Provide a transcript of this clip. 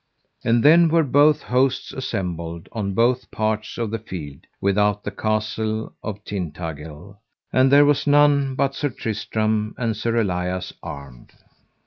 And then were both hosts assembled on both parts of the field, without the Castle of Tintagil, and there was none but Sir Tristram and Sir Elias armed.